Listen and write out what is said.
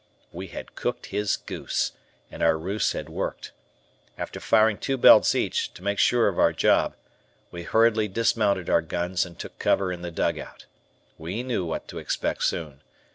We had cooked his goose, and our ruse had worked. After firing two belts each, to make sure of our job, we hurriedly dismounted our guns and took cover in the dugout. We knew what to expect soon.